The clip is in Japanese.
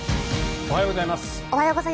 おはようございます。